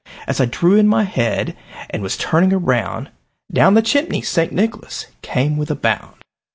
As I drew in my head, and was turning around, Down the chimney St. Nicholas came with a bound.